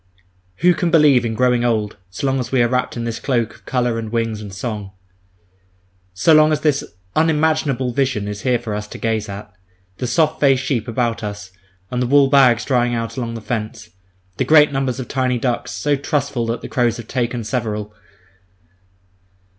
Who can believe in growing old, so long as we are wrapped in this cloak of colour and wings and song; so long as this unimaginable vision is here for us to gaze at—the soft faced sheep about us, and the wool bags drying out along the fence, and great numbers of tiny ducks, so trustful that the crows have taken several.